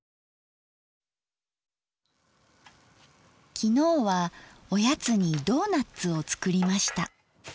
昨日はおやつにドーナッツを作りました。